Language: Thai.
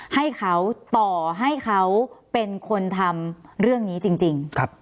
ให้เขาต่อให้เขาเป็นคนทำเรื่องนี้จริง